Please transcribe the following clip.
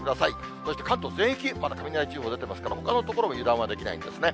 そして関東全域、まだ雷注意報出てますから、ほかの所も油断はできないんですね。